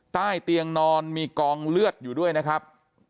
ใต้เตียงนอนมีกองเลือดอยู่ด้วยนะครับ